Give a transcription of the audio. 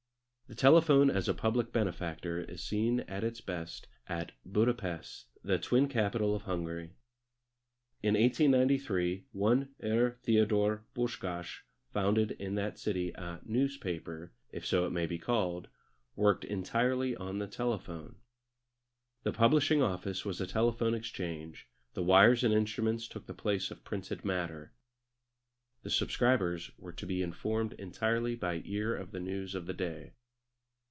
The telephone as a public benefactor is seen at its best at Buda Pesth, the twin capital of Hungary. In 1893, one Herr Theodore Buschgasch founded in that city a "newspaper" if so it may be called worked entirely on the telephone. The publishing office was a telephone exchange; the wires and instruments took the place of printed matter. The subscribers were to be informed entirely by ear of the news of the day.